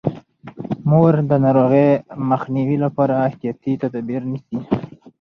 مور د ناروغۍ مخنیوي لپاره احتیاطي تدابیر نیسي.